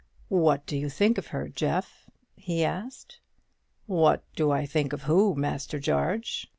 "What do you think of her, Jeff?" he asked. "What do I think to who, Master Jarge?"